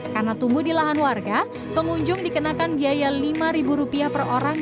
karena tumbuh di lahan warga pengunjung dikenakan biaya lima rupiah per orang